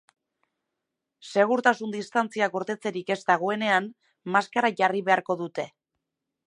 Segurtasun distantzia gordetzerik ez dagoenean, maskara jarri beharko dute.